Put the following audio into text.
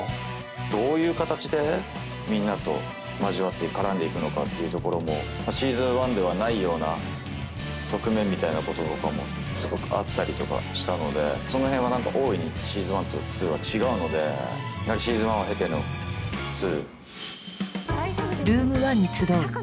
どういう形でみんなと交わって絡んでいくのかっていうところも「Ｓｅａｓｏｎ１」ではないような側面みたいなこととかもすごくあったりとかしたのでその辺は何か大いに「Ｓｅａｓｏｎ１」と「２」は違うのでやはり「Ｓｅａｓｏｎ１」を経ての「２」。